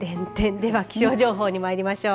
では気象情報にまいりましょう。